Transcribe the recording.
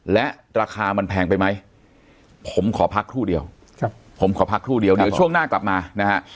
และราคามันแพงไปไหมผมขอพักทั่วเดียวช่วงหน้ากลับมานะฮะ